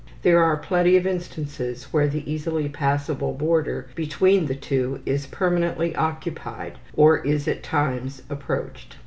There are plenty of instances where the easily passable border between the two is permanently occupied or is at times approached.